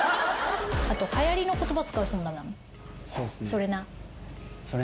あとはやりの言葉使う人も駄目なの？